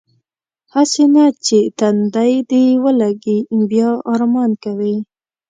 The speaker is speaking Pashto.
هسې نه چې تندی دې ولږي بیا ارمان کوې.